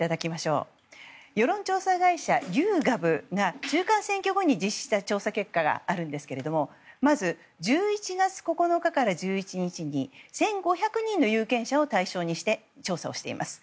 世論調査会社ユーガブが中間選挙後に実施した調査結果があるんですけどまず１１月９日から１１日に１５００人の有権者を対象に調査をしています。